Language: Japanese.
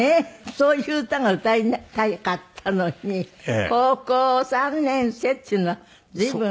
そういう歌が歌いたかったのに「高校三年生」っていうのは随分。